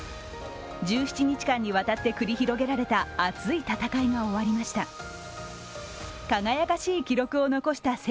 １７日間にわたって繰り広げられた熱い戦いが終わりました。